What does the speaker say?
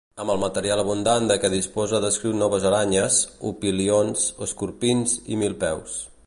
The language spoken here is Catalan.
Amb el material abundant de què disposa descriu noves aranyes, opilions, escorpins i milpeus.